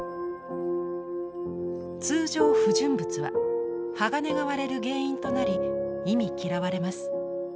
通常不純物は鋼が割れる原因となり忌み嫌われます。